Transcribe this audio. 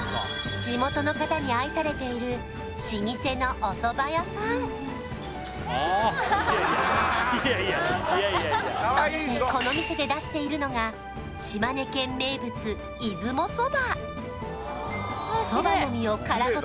地元の方に愛されている老舗のおそば屋さんそしてこの店で出しているのが島根県名物出雲そば